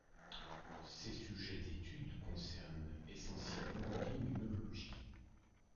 Ses sujets d'étude concernent essentiellement l'immunologie.